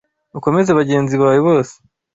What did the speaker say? ukomeze bagenzi bawe bose